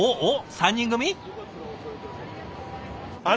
３人組？